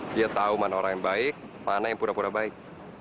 dia tahu mana orang yang baik mana yang pura pura baik